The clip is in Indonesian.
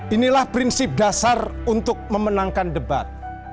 inilah prinsip dasar untuk memenangkan debat